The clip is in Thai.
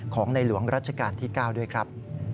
ของในหลวงรัชกาลที่๙ด้วยครับ